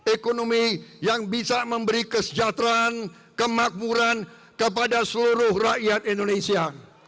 ekonomi yang bisa memberi kesejahteraan kemakmuran kepada seluruh rakyat indonesia